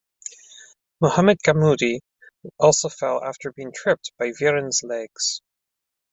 Mohamed Gammoudi also fell after being tripped by Viren's legs.